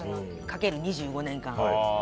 かける２５年間。